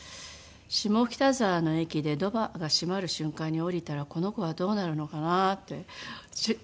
下北沢の駅でドアが閉まる瞬間に降りたらこの子はどうなるのかな？ってチラッと思って。